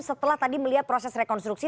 setelah tadi melihat proses rekonstruksi